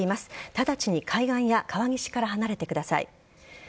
直ちに、海岸や川岸から離れてください。